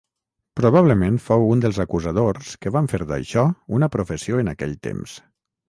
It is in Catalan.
Probablement fou un dels acusadors que van fer d'això una professió en aquell temps.